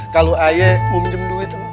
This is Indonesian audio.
kalau ayah mau minum duit